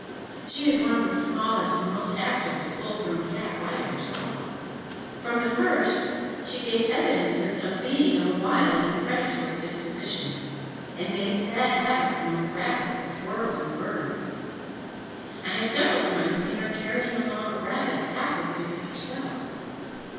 She is one of the smallest and most active of full grown Cats I ever saw. From the first she gave evidences of being of a wild and predatory disposition, and made sad havoc among the rabbits, squirrels, and birds. I have several times seen her carrying along a rabbit half as big as herself.